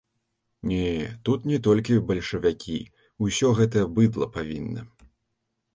Не, тут не толькі бальшавікі, усё гэтае быдла павінна.